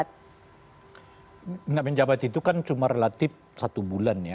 tidak menjabat itu kan cuma relatif satu bulan ya